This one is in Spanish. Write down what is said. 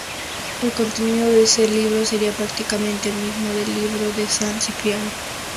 El contenido de ese libro sería prácticamente el mismo del "Libro de San Cipriano".